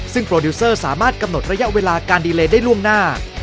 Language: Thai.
ซึ่งโปรดิวเซอร์สามารถกำหนดระยะเวลาการดีเลได้ล่วงหน้า